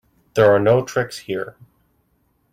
There are no tricks here.